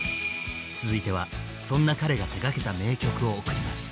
続いてはそんな彼が手がけた名曲を贈ります。